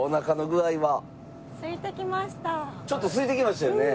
ちょっとすいてきましたよね。